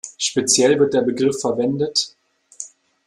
Speziell wird der Begriff verwendet